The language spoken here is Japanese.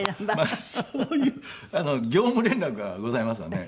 そういう業務連絡がございますわね